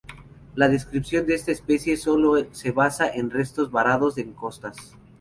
La descripción de esta especie solo se base en restos varados en costas.